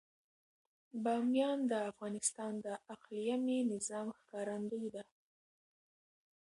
بامیان د افغانستان د اقلیمي نظام ښکارندوی ده.